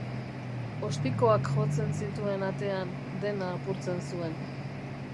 Ostikoak jotzen zituen atean, dena apurtzen zuen.